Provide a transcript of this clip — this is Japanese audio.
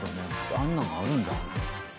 あんなんあるんだ。